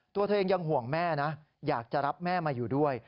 ตัวเธอเองยังห่วงแม่นะอยากจะรับแม่มาอยู่ด้วย